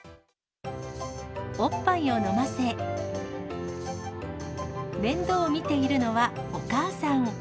おっぱいを飲ませ、面倒を見ているのはお母さん。